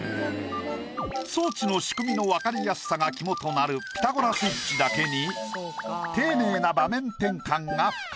装置の仕組みの分かりやすさが肝となる『ピタゴラスイッチ』だけに。